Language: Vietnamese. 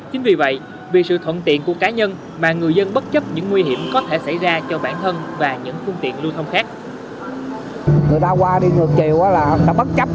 chính vì vậy vì sự thuận tiện của cá nhân mà người dân bất chấp những nguy hiểm có thể xảy ra cho bản thân và những phương tiện lưu thông khác